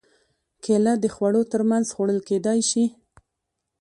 کېله د خوړو تر منځ خوړل کېدای شي.